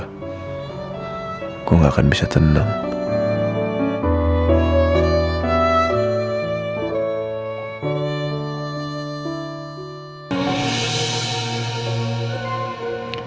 andi n amiga rina dari wilayah mana sekarang ya